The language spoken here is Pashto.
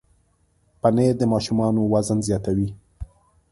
پنېر د ماشومانو وزن زیاتوي.